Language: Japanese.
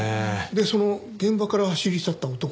でその現場から走り去った男は？